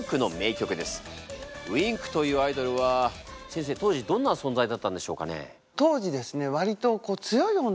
Ｗｉｎｋというアイドルは先生当時どんな存在だったんでしょうかね？